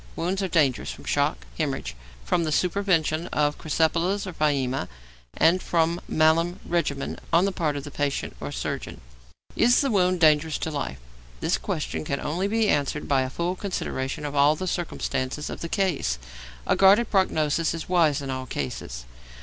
Wounds are dangerous from shock, hæmorrhage, from the supervention of crysipelas or pyæmia, and from malum regimen on the part of the patient or surgeon. Is the wound dangerous to life? This question can only be answered by a full consideration of all the circumstances of the case; a guarded prognosis is wise in all cases.